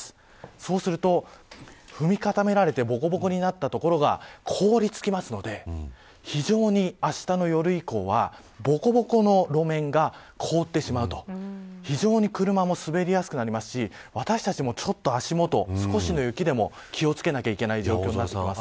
そうすると踏み固められてぼこぼこになった所が凍りつくので非常に、あしたの夜以降はぼこぼこの路面が凍ってしまうと非常に車も滑りやすくなりますし私たちも足元、少しの雪でも気を付けなきゃいけない状態になっています。